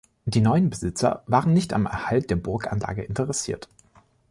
Die neuen Besitzer waren nicht am Erhalt der Burganlage interessiert.